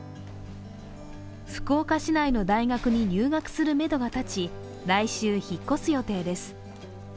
福岡市内の大学に入学するめどが立ち、来週、引っ越す予定です。